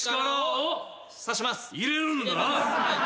入れるんだな。